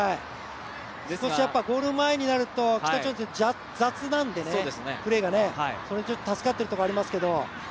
ゴール前になると北朝鮮、プレーが雑なのでそれでちょっと助かっているところがありますけど。